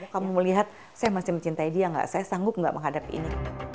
kamu melihat saya masih mencintai dia saya sanggup nggak menghadapi ini